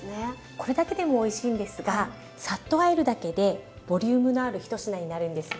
これだけでもおいしいんですがさっとあえるだけでボリュームのある一品になるんですよ。